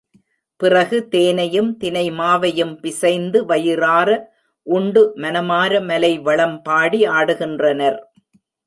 பிறகு தேனையும் தினைமாவையும் பிசைந்து வயிறார உண்டு, மனமார மலை வளம்பாடி ஆடுகின்றனர்.